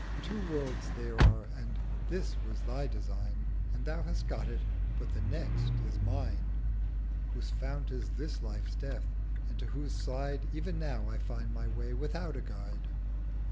Two Worlds there are, and This was thy Design, And thou hast got it; but The Next is mine; Whose Fount is this life's Death, and to whose Side Ev'n now I find my Way without a Guide.'